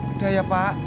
udah ya pak